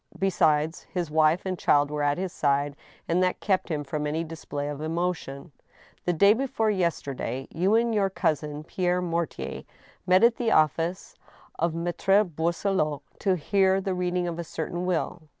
Besides, his wife and child were at his side, and that kept him from any display of emotion. " The day before yesterday you and your cousin, Pierre Mortier, met at the office of Maltre Boisselot, to hear the reading of a certain will?"